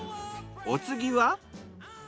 お次は。